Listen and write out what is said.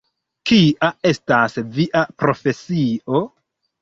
Kia estas via profesio?